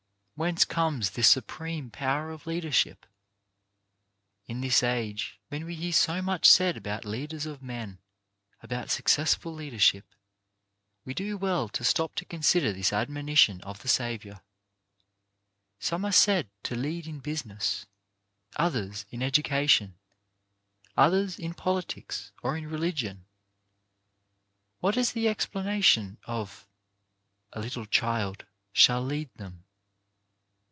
Whence comes this supreme power of leadership ? In this age, when we hear so much said about leaders of men, about successful leadership, we do well to stop to con sider this admonition of the Saviour. Some are said to lead in business, others in education, others in politics, or in religion. What is the explanation of "A little child shall lead them?"